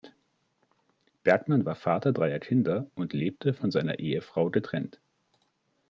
Bergmann war Vater dreier Kinder und lebte von seiner Ehefrau getrennt.